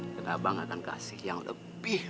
dan abang akan kasih yang lebih